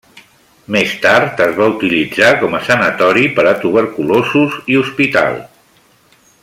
Més tard es va utilitzar com a sanatori per a tuberculosos i hospital.